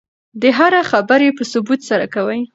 دی هره خبره په ثبوت سره کوي.